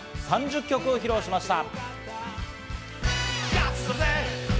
３０曲を披露しました。